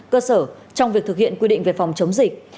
cơ sở trong việc thực hiện quy định về phòng chống dịch